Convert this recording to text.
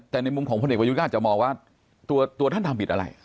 แต่ในมุมของพลเอกประยุทธ์ก็อาจจะมองว่าตัวท่านทำผิดอะไร